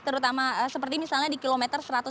terutama seperti misalnya di kilometer satu ratus tiga